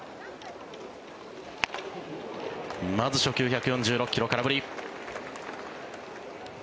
まず初球１４６ｋｍ、空振り。